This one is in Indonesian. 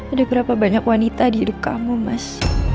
ada berapa banyak wanita di hidup kamu mas